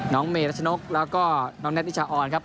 เมรัชนกแล้วก็น้องแท็นิชาออนครับ